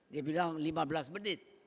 dia bilang lima belas menit